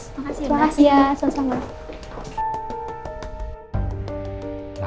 terima kasih ya selamat selamat